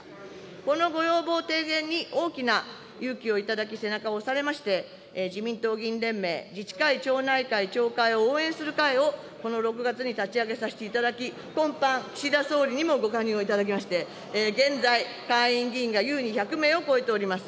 このご要望提言に大きな勇気をいただき、背中を押されまして、自民党議員連盟、自治会・町内会を応援する会を、この６月に立ち上げさせていただき、今般、岸田総理にもご加入をいただきまして、現在、会員議員が優に１００名を超えております。